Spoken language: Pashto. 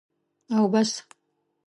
او بس.